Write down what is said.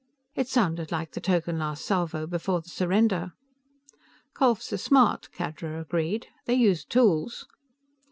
It sounded like the token last salvo before the surrender. "Kholphs are smart," Khadra agreed. "They use tools."